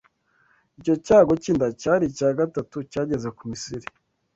Icyo cyago cy’inda cyari icya gatatu cyageze kuri Misiri